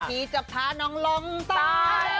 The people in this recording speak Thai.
ที่จะพาน้องล้มตาย